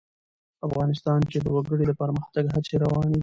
افغانستان کې د وګړي د پرمختګ هڅې روانې دي.